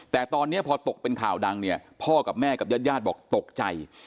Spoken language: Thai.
แต่ตอนนี้พอตกเป็นข่าวดังเนี่ยพ่อกับแม่กับญาติญาติบอกตกใจ